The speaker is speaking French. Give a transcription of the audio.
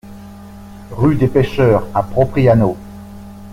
Rue des Pecheurs à Propriano